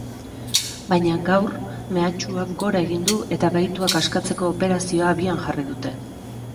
Baina gaur mehatxuak gora egin du eta bahituak askatzeko operazioa abian jarri dute.